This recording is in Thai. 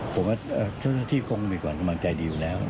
ผมว่าเจ้าหน้าที่คงมีความกำลังใจดีอยู่แล้ว